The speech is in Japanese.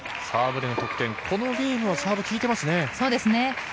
サーブでの得点、このゲームでのサーブはきいていますね。